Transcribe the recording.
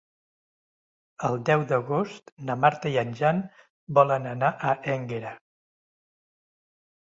El deu d'agost na Marta i en Jan volen anar a Énguera.